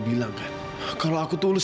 bilang kan kalau aku tulis